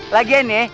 lagi ya nih eh